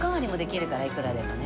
いくらでもね。